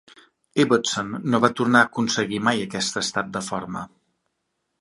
Ibbotson no va tornar a aconseguir mai aquest estat de forma.